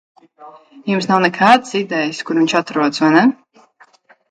Jums nav nekādas idejas, kur viņš atrodas, vai ne?